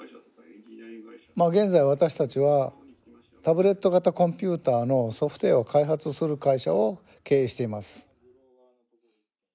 まあ現在私たちはタブレット型コンピューターのソフトウエアを開発する会社を経営しています。